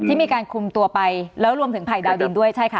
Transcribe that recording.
มีการคุมตัวไปแล้วรวมถึงภัยดาวดินด้วยใช่ค่ะ